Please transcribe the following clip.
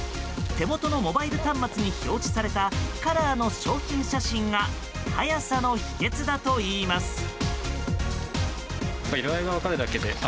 手元のモバイル端末に表示されたカラーの商品写真が早さの秘訣だといいます。